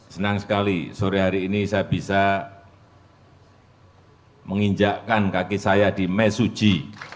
senang sekali sore hari ini saya bisa menginjakkan kaki saya di mesuji